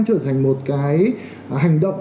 chưa trở thành một cái hành động